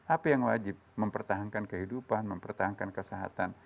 apa yang wajib mempertahankan kehidupan mempertahankan kesehatan